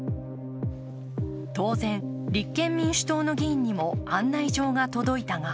当然、立憲民主党の議員にも案内状が届いたが